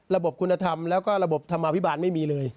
ระบบคุณธรรมแล้วก็ระบบธรรมาภิบาลไม่มีเลย